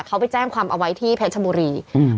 เขาไปแจ้งความเอาไว้ที่เพชรชบุรีอืม